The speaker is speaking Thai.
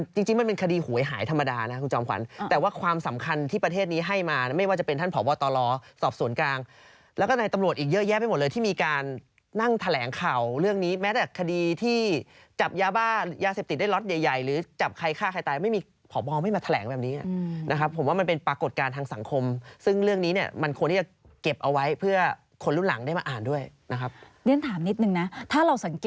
จริงมันเป็นคดีหูยหายธรรมดานะคุณจอมขวัญแต่ว่าความสำคัญที่ประเทศนี้ให้มาไม่ว่าจะเป็นท่านผอบตลสอบส่วนกลางแล้วก็ในตำรวจอีกเยอะแยะไปหมดเลยที่มีการนั่งแถลงข่าวเรื่องนี้แม้แต่คดีที่จับยาบ้ายาเสพติดได้ล็อตใหญ่หรือจับใครฆ่าใครตายไม่มีผอบไม่มาแถลงแบบนี้นะครับผมว่ามัน